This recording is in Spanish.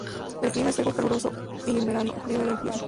El clima es seco y caluroso en verano, frío en invierno.